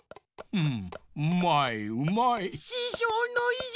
うん？